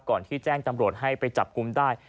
ที่แจ้งตำรวจให้ไปจับกลุ่มได้